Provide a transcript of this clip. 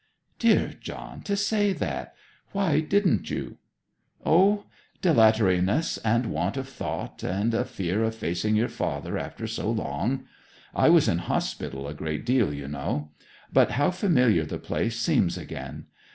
'Dear John, to say that! Why didn't you?' 'O dilatoriness and want of thought, and a fear of facing your father after so long. I was in hospital a great while, you know. But how familiar the place seems again!